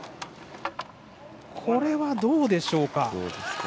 これはどうでしょうか。